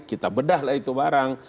kita bedah lah itu barang